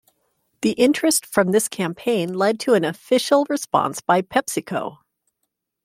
The interest from this campaign led to an official response by PepsiCo.